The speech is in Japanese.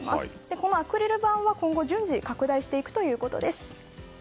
このアクリル板は今後順次拡大していくということです。